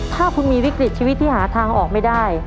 ถ้าคุณมีวิกฤตชีวิตที่หาทางออกไม่ได้